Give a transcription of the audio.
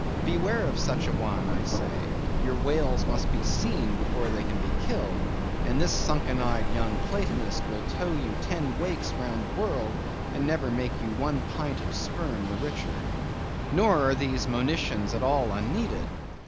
Beware of such an one, I say; your whales must be seen before they can be killed; and this sunken eyed young Platonist will tow you ten wakes round the world, and never make you one pint of sperm the richer. Nor are these monitions at all unneeded.